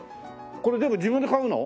これ全部自分で買うの？